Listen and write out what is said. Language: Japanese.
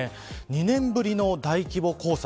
２年ぶりの大規模黄砂。